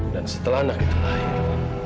dan setelah anak itu lahir